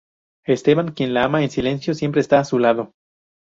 Esteban, quien la ama en silencio, siempre está a su lado.